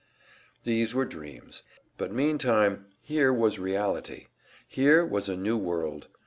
These were dreams; but meantime here was reality, here was a new world.